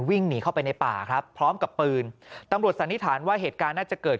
วิ่งหนีเข้าไปในป่าครับพร้อมกับปืนตำรวจสันนิษฐานว่าเหตุการณ์น่าจะเกิด